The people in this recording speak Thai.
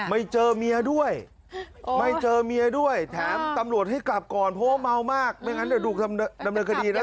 ไม่เจอเมียด้วยไม่เจอเมียด้วยแถมตำรวจให้กลับก่อนเฮ้อเมามากไม่งั้นจะดูกดำเนื้อคดีรัฐบัน